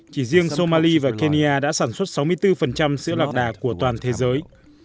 chỉ riêng somali và kenya đã sản xuất sáu mươi bốn sữa lạc đà của toàn thế giới